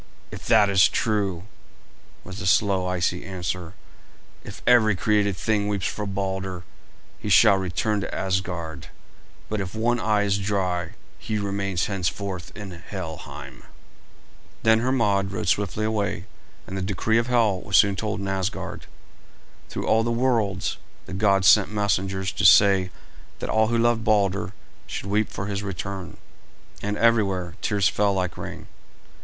"If that is true," was the slow, icy answer, "if every created thing weeps for Balder, he shall return to Asgard; but if one eye is dry he remains henceforth in Helheim." Then Hermod rode swiftly away, and the decree of Hel was soon told in Asgard. Through all the worlds the gods sent messengers to say that all who loved Balder should weep for his return, and everywhere tears fell like rain.